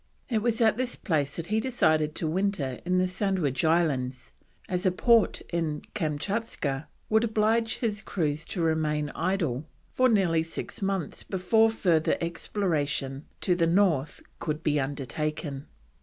It was at this place that he decided to winter in the Sandwich Islands, as a port in Kamtschatka would oblige his crews to remain idle for nearly six months before further exploration to the north could be undertaken.